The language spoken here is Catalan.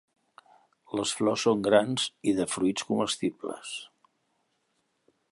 Les flors són grans, i de fruits comestibles.